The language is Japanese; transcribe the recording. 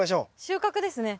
収穫ですね。